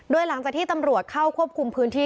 โดยหลังจากที่ตำรวจเข้าควบคุมพื้นที่